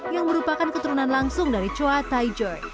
yang merupakan keturunan langsung dari chowa taijo